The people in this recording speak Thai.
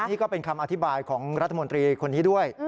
นี่ก็เป็นคำอธิบายของรัฐมนตรีคนนี้ด้วย